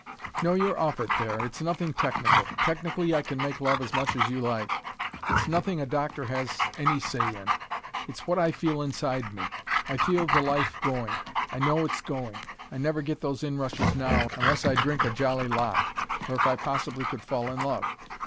"No, you're off it there. It's nothing technical. Technically I can make love as much as you like. It's nothing a doctor has any say in. It's what I feel inside me. I feel the life going. I know it's going. I never get those inrushes now, unless I drink a jolly lot, or if I possibly could fall in love.